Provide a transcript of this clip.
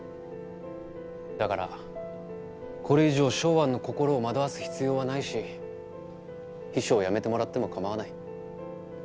だからこれ以上ショウアンの心を惑わす必要はないし秘書を辞めてもらっても構わない。